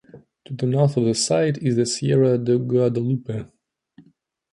To the north of the site is the Sierra de Guadalupe.